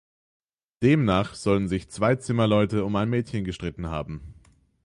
Demnach sollen sich zwei Zimmerleute um ein Mädchen gestritten haben.